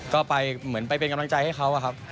ก็ไปเหมือนไปเป็นกำลังใจให้เขาอะครับ